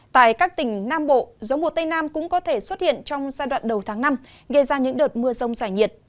tại các tỉnh nam bộ gió mùa tây nam cũng có thể xuất hiện trong giai đoạn đầu tháng năm gây ra những đợt mưa rông giải nhiệt